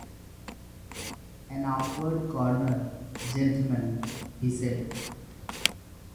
"An awkward corner, gentlemen," he said.